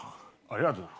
ありがとな。